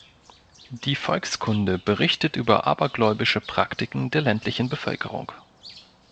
Die Volkskunde berichtet über „abergläubische Praktiken“ der ländlichen Bevölkerung.